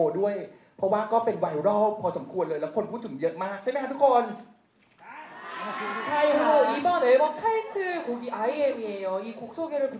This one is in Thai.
เพราะว่าก็เป็นไวรัลพอสมควรเลยแล้วคนพูดถึงเยอะมากใช่ไหมคะทุกคน